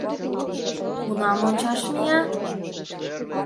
— Кунам ончаш мия?